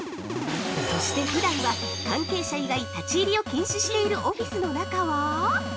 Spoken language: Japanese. ◆そして、ふだんは関係者以外立ち入りを禁止しているオフィスの中は。